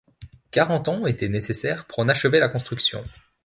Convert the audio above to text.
Quarante ans ont été nécessaires pour en achever la construction.